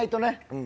うん。